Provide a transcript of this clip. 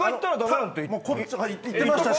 言っていましたし。